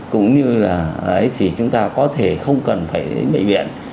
cũng như là đấy thì chúng ta có thể không cần phải đến bệnh viện